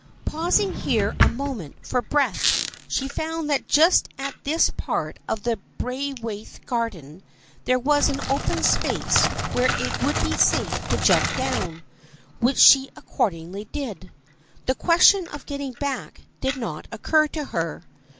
Pausing here a moment for breath she found that just at this part of the Braithwaite garden there was an open space where it would be safe to jump down, which she accordingly did. The question of getting back did not occur to her.